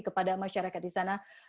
kepada masyarakat di sana